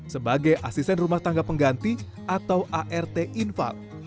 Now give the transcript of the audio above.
sebagai asisten rumah tangga pengganti atau art infal